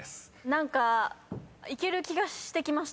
何かいける気がしてきました。